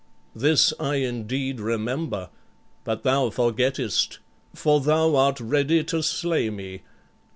This I indeed remember, but thou forgettest; for thou art ready to slay me.